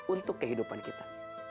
untuk kehidupan kita